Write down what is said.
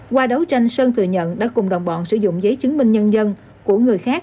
qua đấu tranh sơn thừa nhận đã cùng đồng bọn sử dụng giấy chứng minh nhân dân của người khác